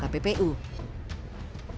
dari pemain daging sapi